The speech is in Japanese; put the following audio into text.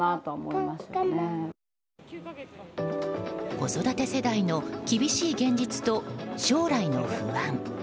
子育て世代の厳しい現実と将来の不安。